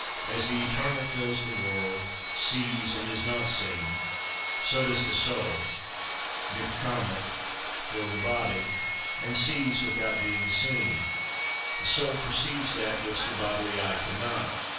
As the Eternal fills the world, sees, and is not seen, so does the soul (N'schamach) fill the body, and sees without being seen. The soul perceives that which the bodily eye can not.